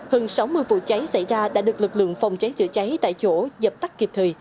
hơn sáu mươi vụ cháy xảy ra đã được lực lượng phòng cháy chữa cháy tại chỗ dập tắt kịp thời